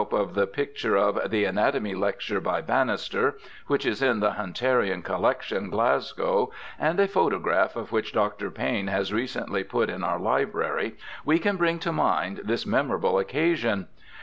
312 BIOGRAPHICAL ESSAYS of the picture of * The Anatomy Lecture by Bannister *, which is in the Hunterian collection, Glasgow, and a photograph of which Dr. Pa3'ne has recently put in our library, we can bring to mind this memorable occasion.